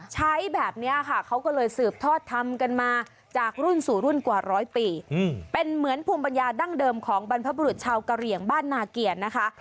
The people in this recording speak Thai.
ใช้แบบนี้ค่ะเขาก็เลยสืบทอดทำกันมาจากรุ่นสู่รุ่นกว่าร้อยปีเป็นเหมือนภูมิปัญญาดั้งเดิมของบรรพบุรุษชาวกะเหลี่ยงบ้านนาเกียรตินะคะ